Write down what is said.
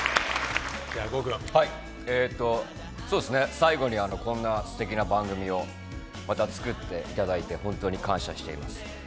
最後にこんなすてきな番組をまた作っていただいて本当に感謝しています。